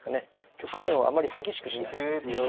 局面をあまり激しくしないうん。